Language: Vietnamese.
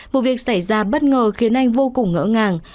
vụ việc xảy ra bất ngờ khiến anh vô cùng ngỡ ngàng